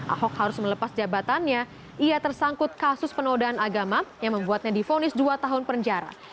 ahok harus melepas jabatannya ia tersangkut kasus penodaan agama yang membuatnya difonis dua tahun penjara